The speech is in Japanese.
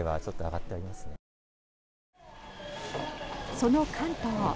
その関東。